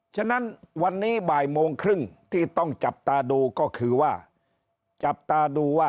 ฉะนั้นวันนี้บ่ายโมงครึ่งที่ต้องจับตาดูก็คือว่าจับตาดูว่า